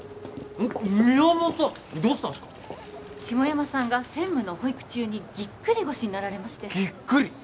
下山さんが専務の保育中にぎっくり腰になられましてぎっくり！